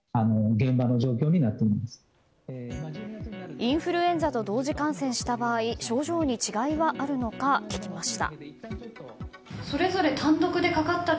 インフルエンザと同時感染した場合症状に違いがあるのか聞きました。